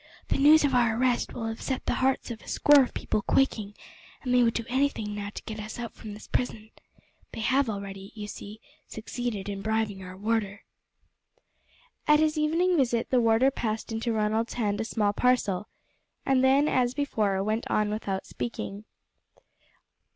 The news of our arrest will have set the hearts of a score of people quaking, and they would do anything now to get us out from this prison. They have already, you see, succeeded in bribing our warder." At his evening visit the warder passed into Ronald's hand a small parcel, and then, as before, went out without speaking.